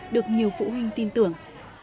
được nhiều phụ huynh tin tưởng